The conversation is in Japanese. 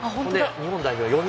日本代表４人